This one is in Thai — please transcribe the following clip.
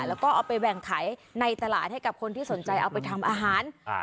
แล้วก็เอาไปแบ่งขายในตลาดให้กับคนที่สนใจเอาไปทำอาหารอ่า